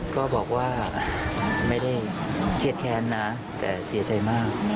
ก็บอกว่าไม่ได้เครียดแค้นนะแต่เสียใจมาก